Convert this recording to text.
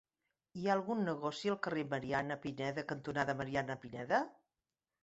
Hi ha algun negoci al carrer Mariana Pineda cantonada Mariana Pineda?